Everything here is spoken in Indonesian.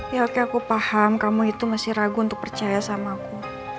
ya oke aku paham kamu itu masih ragu untuk percaya sama aku